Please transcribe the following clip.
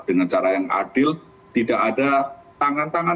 dengan cara yang adil tidak ada tangan tangan